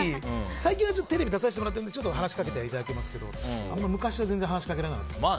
最近はテレビ出させてもらってるので話しかけていただけますけど昔は話しかけられなかったです。